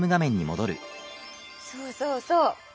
そうそうそう。